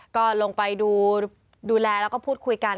ก็ลงไปดูแลแล้วก็พูดคุยกัน